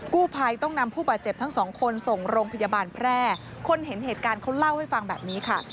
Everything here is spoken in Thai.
กู้ภัยต้องนำผู้บาดเจ็บทั้งสองคนส่งโรงพยาบาลแพร่คนเห็นเหตุการณ์เขาเล่าให้ฟังแบบนี้ค่ะ